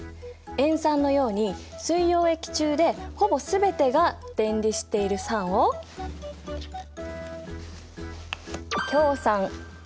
塩酸のように水溶液中でほぼ全てが電離している酸を強酸。